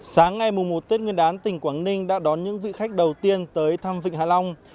sáng ngày một tết nguyên đán tỉnh quảng ninh đã đón những vị khách đầu tiên tới thăm vịnh hạ long